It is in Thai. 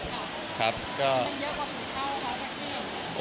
มันเยอะกว่าเมื่อเท่าเท่าเดิม